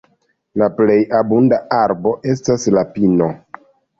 La plej abunda arbo estas la pino.